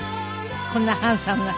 こんなハンサムな方が。